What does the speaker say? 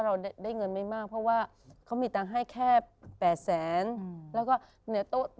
เราได้เงินไม่มากเพราะว่าเขามีตังค์ให้แค่๘แสนแล้วก็เหนือโต๊ะ